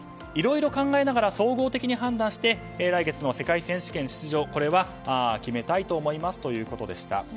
いろいろ考えながら総合的に判断して来月の世界選手権出場は決めたいと思いますということでした。